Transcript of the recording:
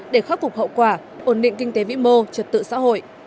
để khắc phục hậu quả ổn định kinh tế vĩ mô trật tự xã hội